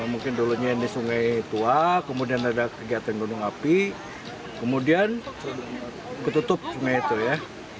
mungkin dulunya ini sungai tua kemudian ada kegiatan gunung api kemudian ketutup sungai itu ya